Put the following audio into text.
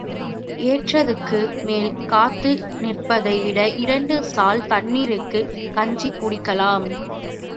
ஏற்றத்துக்கு மேல் காத்து நிற்பதை விட இரண்டு சால் தண்ணீருக்குக் கஞ்சி குடிக்கலாம்.